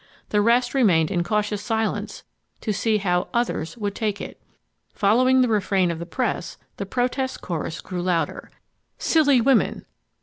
The rest remained in cautious silence to see how "others" would take it. Following the refrain of the press, the protest chorus grew louder. "Silly women"